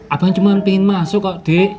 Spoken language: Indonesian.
abang cuma pengen masuk kok dek